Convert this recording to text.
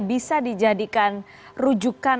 bisa dijadikan rujukan